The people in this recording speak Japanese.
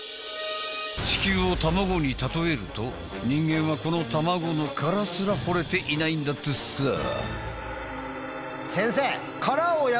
地球を卵に例えると人間はこの卵の殻すら掘れていないんだってさ。